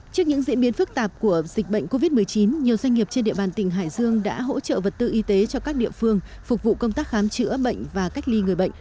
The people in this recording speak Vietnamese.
trước những diễn biến phức tạp của dịch bệnh covid một mươi chín nhiều doanh nghiệp trên địa bàn tỉnh hải dương đã hỗ trợ vật tư y tế cho các địa phương phục vụ công tác khám chữa bệnh và cách ly người bệnh